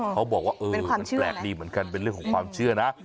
เขาบอกว่าเป็นเรื่องของความเชื่อนะ